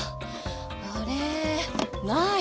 あれない！